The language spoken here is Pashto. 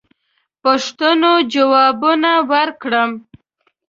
پوښتنو جوابونه ورکړم.